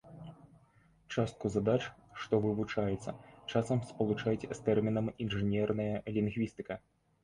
Частку задач, што вывучаюцца, часам спалучаюць з тэрмінам інжынерная лінгвістыка.